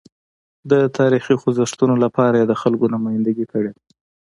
د تاریخي خوځښتونو لپاره یې د خلکو نمایندګي کړې ده.